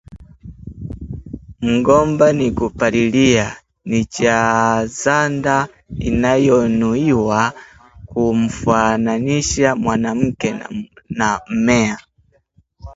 "Mgomba ni kupalilia" ni jazanda inayonuiwa kumfananisha mwanamke na mmea